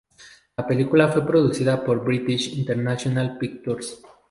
La película fue producida por British International Pictures Ltd.